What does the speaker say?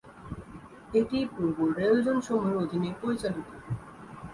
এটি পূর্ব rail zone সমূহের অধীনে পরিচালিত।